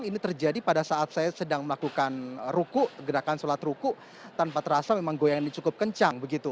ini terjadi pada saat saya sedang melakukan ruku gerakan sholat ruku tanpa terasa memang goyangan ini cukup kencang begitu